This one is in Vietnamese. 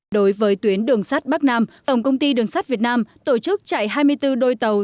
đối với tuyến đường sắt bắc nam tổng công ty đường sắt việt nam tổ chức chạy hai mươi bốn đôi tàu